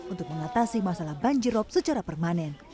untuk mengatasi masalah banjir rop secara permanen